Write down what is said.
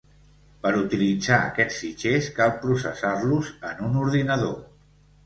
Per utilitzar aquests fitxers cal processar-los en un ordinador.